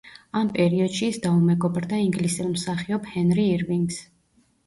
ამ პერიოდში ის დაუმეგობრდა ინგლისელ მსახიობ ჰენრი ირვინგს.